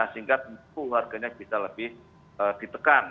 sehingga tentu harganya bisa lebih ditekan